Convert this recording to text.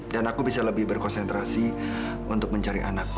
dan aku bisa lebih berkonsentrasi untuk mencari anakku